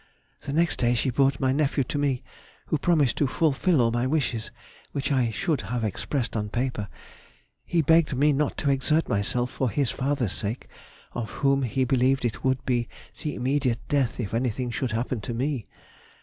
The next day she brought my nephew to me, who promised to fulfil all my wishes which I should have expressed on paper; he begged me not to exert myself for his father's sake, of whom he believed it would be the immediate death if anything should happen to me....